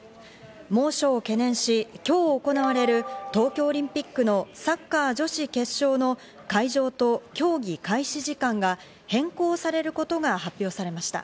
猛暑を懸念し、今日行われる東京オリンピックのサッカー女子決勝の会場と競技開始時間が変更されることが発表されました。